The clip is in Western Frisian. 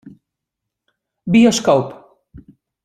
Bioskoop.